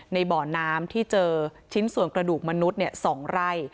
ในบ่อน้ำที่เจอชิ้นส่วนกระดูกมนุษย์๒ไร่